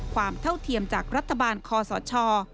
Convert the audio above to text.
เท่าเทียมจากรัฐบาลคอสช